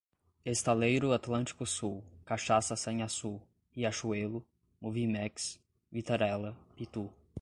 Estaleiro Atlântico Sul, Cachaça Sanhaçu, Riachuelo, Moviemax, Vitarella, Pitú